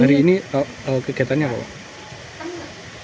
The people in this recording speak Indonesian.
hari ini kegiatannya apa pak